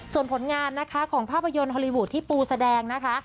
ส่วนผลงานนะคะของภาพยนตร์ฮอลลีวูดที่ปูแสดงนะคะ